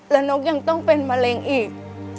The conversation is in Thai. แล้วนกยังต้องเป็นมะเร็งอีก